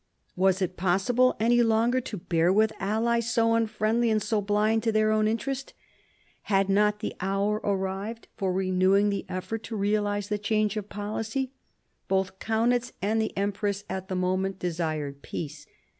Was it possible any longer to bear with allies so unfriendly and so blind to their own interest 1 Had not the hour arrived for renewing the effort to realise the change of policy? Both Kaunitz and the empress at the moment desired peace.